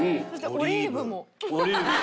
オリーブも。